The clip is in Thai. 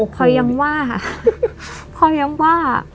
พอยังว่าพอยังว่า